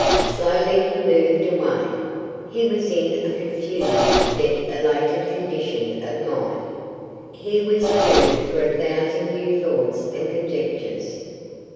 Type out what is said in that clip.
Slowly he moved away. He was in a confused yet elated condition of mind. Here was food for a thousand new thoughts and conjectures.